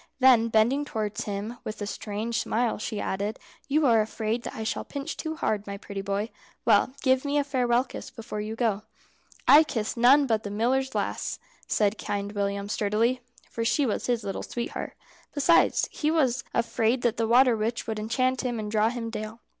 Then bending towards him, with a strange smile, she added, "You are afraid that I shall pinch too hard, my pretty boy. Well, give me a farewell kiss before you go." "I kiss none but the miller's lass," said Kind William, sturdily; for she was his little sweetheart. Besides, he was afraid that the water witch would enchant him and draw him down.